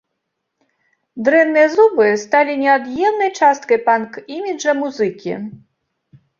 Дрэнныя зубы сталі неад'емнай часткай панк-іміджа музыкі.